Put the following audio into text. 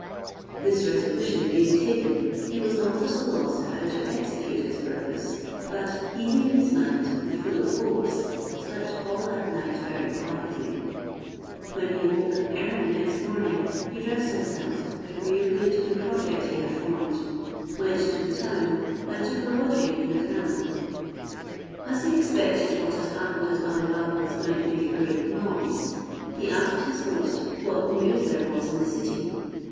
This resolution being taken, he was not at a loss how to execute his purpose; but easy in his mind, and full of hopes, slept all that night very quietly. When he awoke early next morning, he dressed himself, agreeably to the project he had formed, went to the town, and took a lodging in a khan. As he expected what had happened at Ali Baba's might make a great noise, he asked his host what news there was in the city?